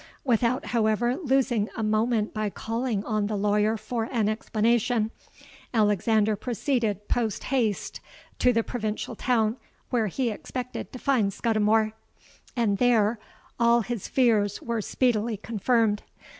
Without, however losing a moment by calling on the lawyer for an explanation, Alexander proceeded post haste to the provincial town where he expected to find Scudimore; and there all his fears were speedily confirmed.